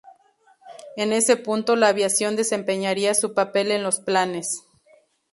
En ese punto, la aviación desempeñaría su papel en los planes.